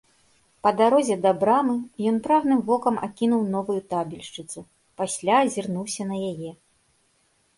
Па дарозе да брамы ён прагным вокам акінуў новую табельшчыцу, пасля азірнуўся на яе.